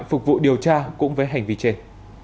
phục vụ điều tra cũng với hành vi trên